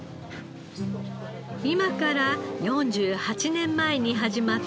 今から４８年前に始まった閖上の朝市。